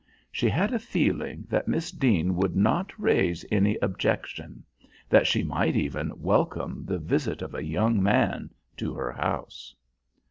She had a feeling that Miss Deane would not raise any objection; that she might even welcome the visit of a young man to her house.